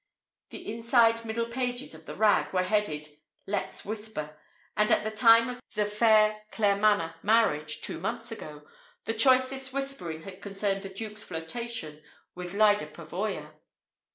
The inside middle pages of the "rag" were headed "Let's Whisper!" And at the time of the Phayre Claremanagh marriage, two months ago, the choicest whispering had concerned the Duke's flirtation with Lyda Pavoya.